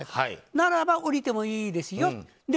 ならば降りてもいいですよと。